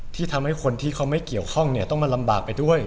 ที่ทำให้คนที่เขาไม่เกี่ยวข้องเนี่ยต้องมาลำบากไปด้วย